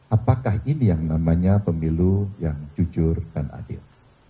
apakah ini yang namanya pemilu yang jujur dan adil